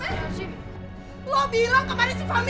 lo bilang kemarin si fahmi